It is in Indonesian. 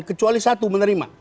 kecuali satu menerima